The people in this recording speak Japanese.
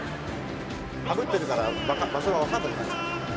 「かぶってるから場所がわかんなくなっちゃって」